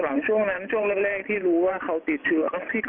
ช่วงนั้นช่วงแรกที่รู้ว่าเขาติดเชื้อ